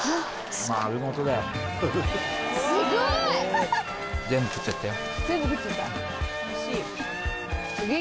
すごい！全部食っちゃったよ。